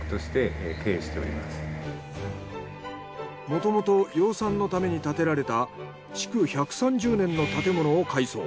もともと養蚕のために建てられた築１３０年の建物を改装。